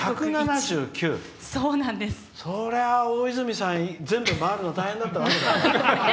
それは大泉さん全部回るの大変だったよね。